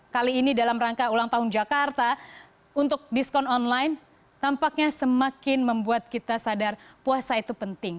kali ini dalam rangka ulang tahun jakarta untuk diskon online tampaknya semakin membuat kita sadar puasa itu penting